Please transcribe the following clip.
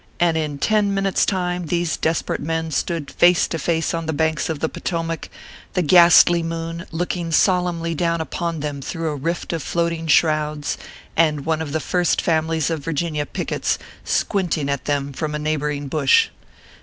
And in ten minutes time these desperate men stood face to face on the banks of the Potomac, the ghastly moon looking solemnly down upon them through a rift of floating shrouds ; and one of the First Families of Virginia pickets squinting at them from a neighbor ing bush.